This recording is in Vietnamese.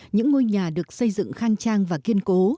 những ngôi nhà được xây dựng khang trang và kiên cố